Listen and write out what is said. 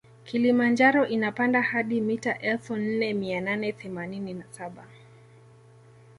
Kilimanjaro inapanda hadi mita elfu nne mia nane themanini na saba